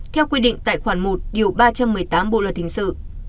theo quy định tài khoản một điều ba trăm một mươi tám bộ luật hình sự